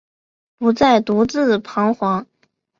不再独自徬惶